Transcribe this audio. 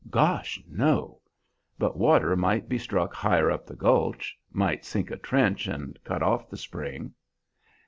"Gosh, no! But water might be struck higher up the gulch might sink a trench and cut off the spring."